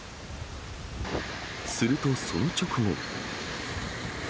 するとその直後。